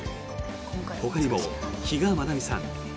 ほかにも比嘉愛未さん